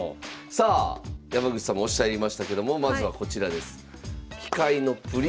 さあ山口さんもおっしゃいましたけどもまずはこちらです。